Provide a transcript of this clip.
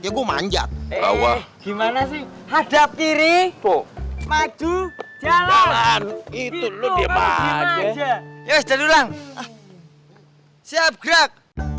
ya gue manjat eh gimana sih hadap kiri poh maju jalan itu lo dia aja ya sudah ulang siap grak